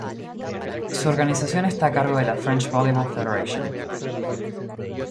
Su organización está a cargo de la French Volleyball Federation.